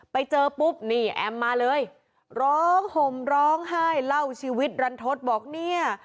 ไปเจอปุ๊บนี่แอมมาเลยร้องห่มร้องไห้เล่าชีวิตรันทศบอกเนี่ย